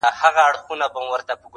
ورور هم فشار للاندي دی او خپل عمل پټوي